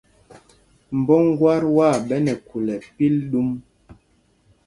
Mbɔ ŋgát waa ɓɛ nɛ khul ɛ́pil ɗum.